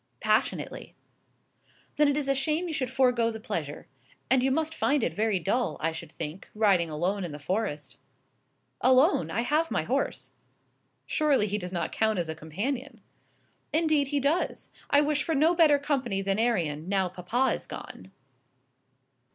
"Passionately." "Then it is a shame you should forego the pleasure. And you must find it very dull, I should think, riding alone in the forest." "Alone! I have my horse." "Surely he does not count as a companion." "Indeed he does. I wish for no better company than Arion, now papa is gone."